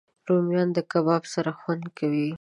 رومیان د کباب سره خوند کوي